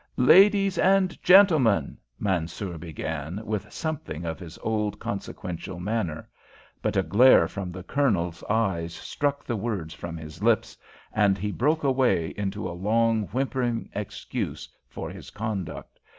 "Ladies and gentlemen," Mansoor began, with something of his old consequential manner; but a glare from the Colonel's eyes struck the words from his lips, and he broke away into a long, whimpering excuse for his conduct.